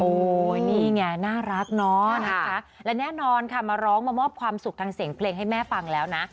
โอ้โหนี่ไงน่ารักเนาะนะคะและแน่นอนค่ะมาร้องมามอบความสุขทางเสียงเพลงให้แม่ฟังแล้วนะ